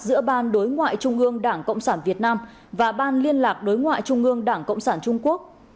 giữa ban đối ngoại trung ương đảng cộng sản việt nam và ban liên lạc đối ngoại trung ương đảng cộng sản trung quốc